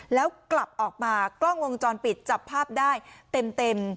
แล้วกลับออกมากล้องวงจรปิดจับภาพได้เต็ม